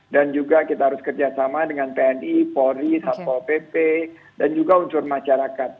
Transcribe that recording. dan juga kita harus kerjasama dengan tni polri sapo pp dan juga unsur masyarakat